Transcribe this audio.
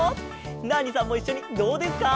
ナーニさんもいっしょにどうですか？